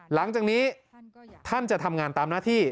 หลังจากนี้ท่านจะทำงานตามหน้าที่